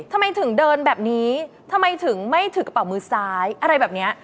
ทำไมถึงเดินแบบนี้ทำไมถึงไม่ถือกระเป๋ามือซ้ายอะไรแบบนี้